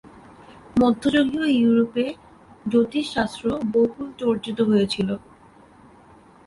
মধ্যযুগীয় ইউরোপে জ্যোতিষশাস্ত্র বহুল চর্চিত হয়েছিল।